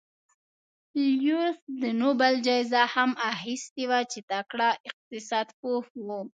لیوس د نوبل جایزه هم اخیستې وه چې تکړه اقتصاد پوه و.